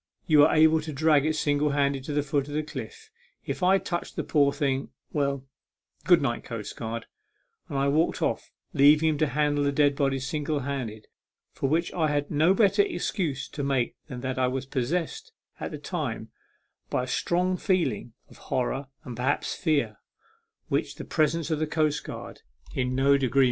You are able to drag it single handed to the foot of the cliff. If I touched the poor thing well, good night, coastguard," and I walked off, leaving him to handle the dead body single handed, for which I had no better excuse to make than that I was possessed at the time by strong feelings of horror, and perhaps fear, which the presence of the coastguard in no degree $8 A MEMORABLE SWIM.